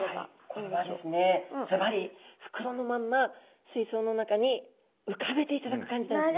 これはですねずばり袋のまんま水槽の中に浮かべていただく感じなんですね。